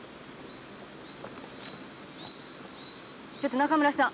ちょっと中村さん。